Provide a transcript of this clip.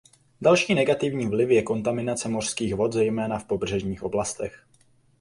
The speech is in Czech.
Další negativní vliv je kontaminace mořských vod zejména v pobřežních oblastech.